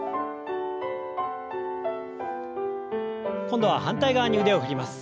今度は反対側に腕を振ります。